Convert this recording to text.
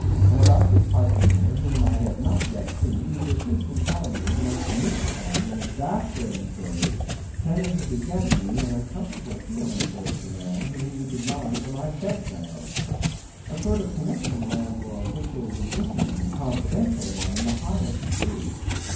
And about this harpooneer, whom I have not yet seen, you persist in telling me the most mystifying and exasperating stories tending to beget in me an uncomfortable feeling towards the man whom you design for my bedfellow—a sort of connexion, landlord, which is an intimate and confidential one in the highest degree.